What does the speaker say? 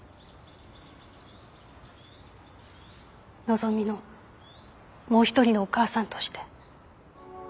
希美のもう一人のお母さんとして